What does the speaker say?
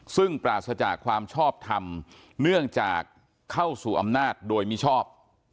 ซึ่งปราศจากความชอบทำเนื่องจากเข้าสู่อำนาจโดยมิชอบ